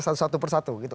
satu satu persatu gitu